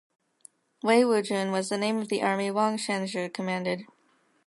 Wei Wu Jun was the name of the army Wang Shenzhi commanded.